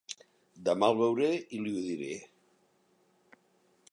Demà el veuré i li ho diré.